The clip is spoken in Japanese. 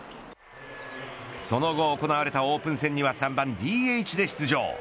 その後行われたオープン戦には３番ＤＨで出場。